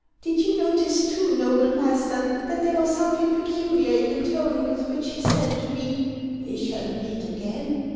Did you notice too, noble master, that there was something peculiar in the tone with which he said to me, ' We shall meet again